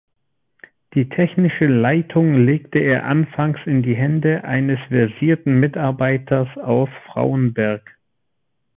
Die technische Leitung legte er anfangs in die Hände eines versierten Mitarbeiters aus Frauenberg.